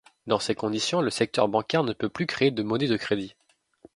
Dans ces conditions, le secteur bancaire ne peut plus créer de monnaie de crédit.